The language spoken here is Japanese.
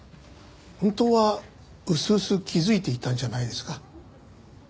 本当はうすうす気づいていたんじゃないですか？